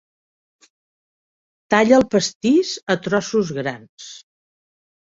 Talla el pastís a trossos grans.